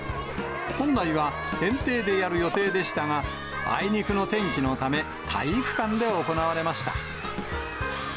本来は園庭でやる予定でしたが、あいにくの天気のため、体育館で行われました。